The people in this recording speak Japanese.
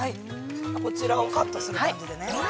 ◆こちらをカットする感じでね。